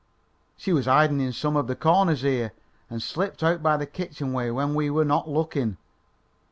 She was hiding in some of the corners here, and slipped out by the kitchen way when we were not looking.